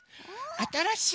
あたらしい！